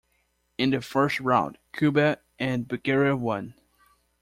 In the first round, Cuba and Bulgaria won.